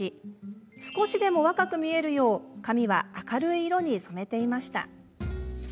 少しでも若く見えるよう髪は明るい色に染めていました。